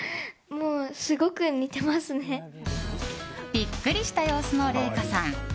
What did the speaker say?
ビックリした様子の麗禾さん。